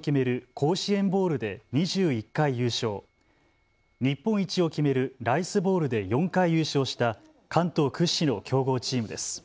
甲子園ボウルで２１回優勝、日本一を決めるライスボウルで４回優勝した関東屈指の強豪チームです。